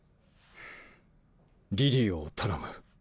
リリーを頼む。